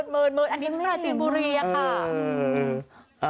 อ่อมืดอันนี้มันจีนบุรีอะค่ะ